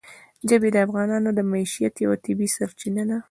ژبې د افغانانو د معیشت یوه طبیعي سرچینه ده.